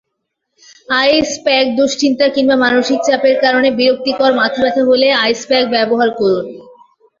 আইস প্যাকদুশ্চিন্তা কিংবা মানসিক চাপের কারণে বিরক্তিকর মাথাব্যথা হলে আইস প্যাক ব্যবহার করুন।